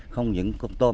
không những con tôm